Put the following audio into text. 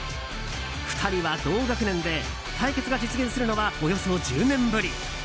２人は同学年で、対決が実現するのはおよそ１０年ぶり。